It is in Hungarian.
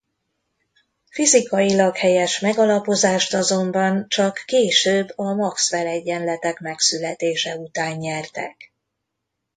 Fizikailag helyes megalapozást azonban csak később a Maxwell-egyenletek megszületése után nyertek.